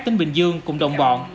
tỉnh bình dương cùng đồng bọn